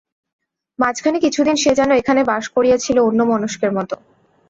মাঝখানে কিছুদিন সে যেন এখানে বাস করিয়াছিল অন্যমনস্কের মতো।